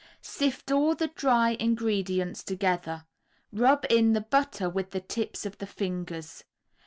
Sift all the dry ingredients together, rub in the butter with the tips of the fingers.